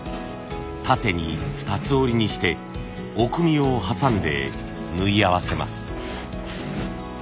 縦に２つ折りにしておくみを挟んで縫い合わせます。